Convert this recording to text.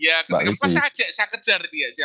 saya ajak saya kejar dia siapa dia